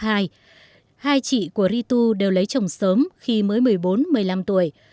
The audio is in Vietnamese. hai chị của ritu đều lấy chồng sớm khi mới một mươi bốn một mươi năm tuổi